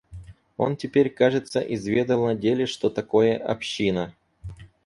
Он теперь, кажется, изведал на деле, что такое община.